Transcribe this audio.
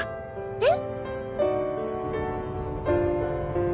えっ？